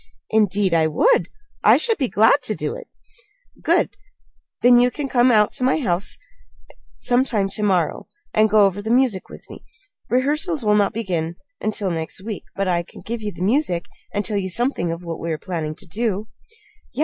"Indeed I would! I should be glad to do it." "Good! Then can you come out to my home sometime to morrow, and go over the music with me? Rehearsals will not begin until next week; but I can give you the music, and tell you something of what we are planning to do." "Yes.